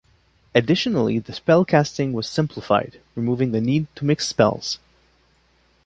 Additionally the spell-casting was simplified, removing the need to mix spells.